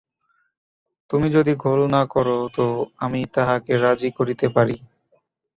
তুমি যদি গোল না কর তো আমি তাহাকে রাজি করিতে পারি।